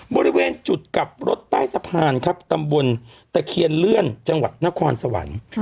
บริเวณจุดกลับรถใต้สะพานครับตำบลตะเคียนเลื่อนจังหวัดนครสวรรค์